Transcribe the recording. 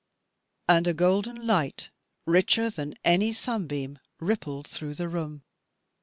And a golden light, richer than any sunbeam, rippled through the room.